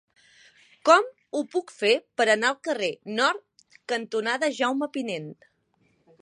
Com ho puc fer per anar al carrer Nord cantonada Jaume Pinent?